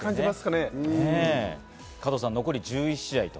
加藤さん、残り１１試合。